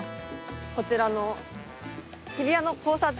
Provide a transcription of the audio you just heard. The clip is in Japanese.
こちらの日比谷の交差点。